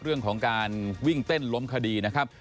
เรื่องของการวิ่งเต้นล้มคดีนะครับ